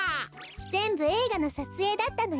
ぜんぶえいがのさつえいだったのよ。